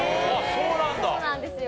そうなんですよ。